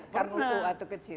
pernah kang uu waktu kecil